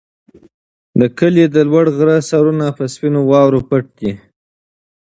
د کلي د لوړ غره سرونه په سپینو واورو پټ دي.